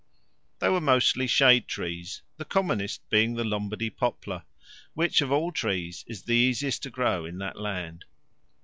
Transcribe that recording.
They were mostly shade trees, the commonest being the Lombardy poplar, which of all trees is the easiest one to grow in that land.